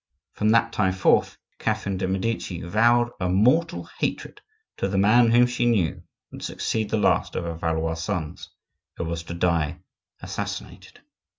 From that time forth Catherine de' Medici vowed a mortal hatred to the man whom she knew would succeed the last of her Valois sons, who was to die assassinated.